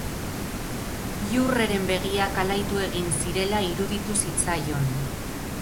Iurreren begiak alaitu egin zirela iruditu zitzaion.